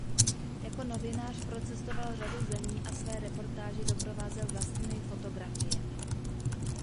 Jako novinář procestoval řadu zemí a své reportáže doprovázel vlastními fotografiemi.